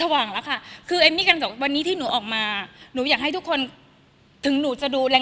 หาว่าเขาโกหกสร้างเรื่องต่อสต่อดี